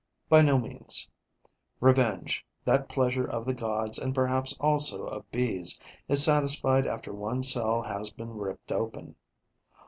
By no means. Revenge, that pleasure of the gods and perhaps also of Bees, is satisfied after one cell has been ripped open.